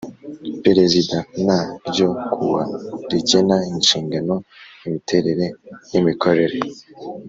Perezida n ryo ku wa rigena inshingano imiterere n imikorere